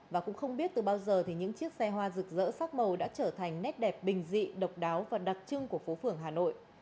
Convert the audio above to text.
và cũng không biết từ bao giờ thì những chiếc xe hoa rực rỡ sắc màu đã trở thành nét đẹp bình dị độc đáo và đặc trưng của phố phường hà nội